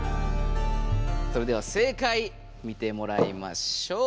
それでは正解見てもらいましょう。